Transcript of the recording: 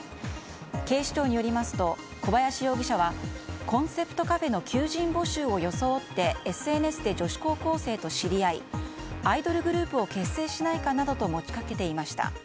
警視庁によりますと小林容疑者はコンセプトカフェの求人募集を装ってＳＮＳで女子高校生と知り合いアイドルグループを結成しないかなどと持ちかけていました。